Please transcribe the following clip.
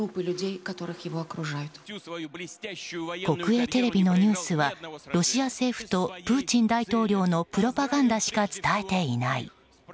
国営テレビのニュースはロシア政府とプーチン大統領のプロパガンダしか伝えていない。